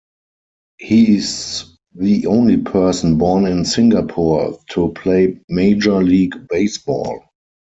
He is the only person born in Singapore to play Major League Baseball.